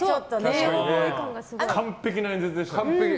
完璧な演説でしたね。